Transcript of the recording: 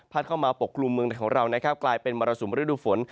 พัดเข้ามาปกครูเมืองแต่ของเรานะครับกลายเป็นมรสุมฤดูฝน